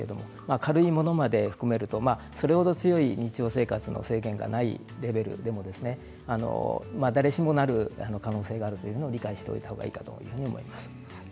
軽いものも含めるとそれ程強い日常生活の制限がないレベルでも誰しもなりうる可能性があると理解しておいた方がいいです。